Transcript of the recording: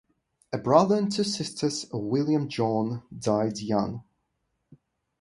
A brother and two sisters of William John died young.